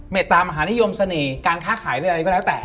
ตามหานิยมเสน่ห์การค้าขายหรืออะไรก็แล้วแต่